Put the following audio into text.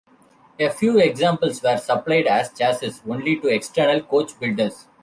A few examples were supplied as chassis-only to external coachbuilders.